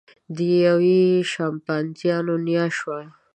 یوه یې د شامپانزیانو نیا شوه.